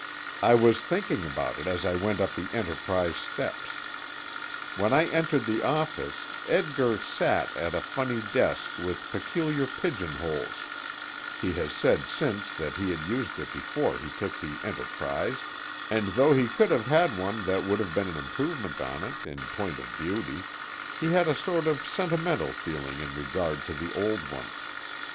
I was thinking about it as I went up the Enterprise steps. When I entered the office Edgar sat at a funny desk with peculiar pigeon holes he has said since that he had used it before he took the Enterprise, and though he could have had one that would have been an improvement on it, in point of beauty, he had a sort of sentimental feeling in regard to the old one.